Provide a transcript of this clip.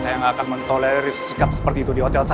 saya nggak akan mentolerir sikap seperti itu di hotel saya